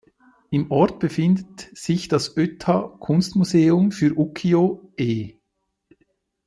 Im Ort befindet sich das Ōta-Kunstmuseum für Ukiyo-e.